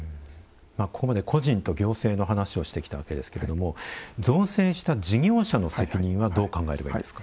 ここまで個人と行政の話をしてきたわけですけども造成した事業者の責任はどう考えればいいですか？